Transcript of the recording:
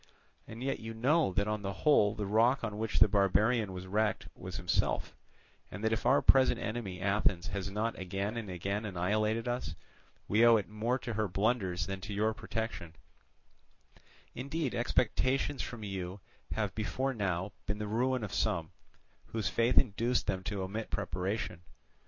And yet you know that on the whole the rock on which the barbarian was wrecked was himself, and that if our present enemy Athens has not again and again annihilated us, we owe it more to her blunders than to your protection; Indeed, expectations from you have before now been the ruin of some, whose faith induced them to omit preparation.